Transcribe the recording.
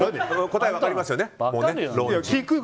答え分かりますよね？